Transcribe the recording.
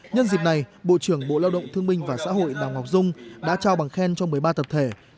nhân dịp này bộ trưởng bộ lao động thương minh và xã hội đào ngọc dung đã trao bằng khen cho một mươi ba tập thể